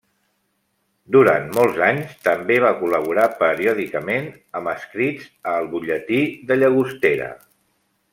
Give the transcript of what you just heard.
Durant molts anys també va col·laborar periòdicament amb escrits a El Butlletí de Llagostera.